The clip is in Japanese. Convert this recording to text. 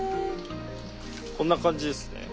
こんな感じですね。